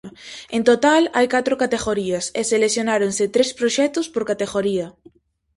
En total hai catro categorías e seleccionáronse tres proxectos por categoría.